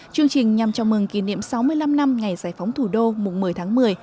chương trình nhằm chào mừng kỷ niệm sáu mươi năm năm